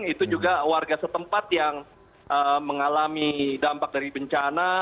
itu juga warga setempat yang mengalami dampak dari bencana